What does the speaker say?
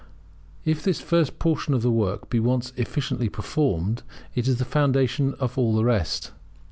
If this first portion of the work be once efficiently performed, it is the foundation of all the rest.